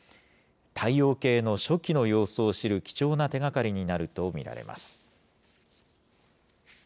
太陽系の初期の様子を知る貴重な手がかりになると見られます。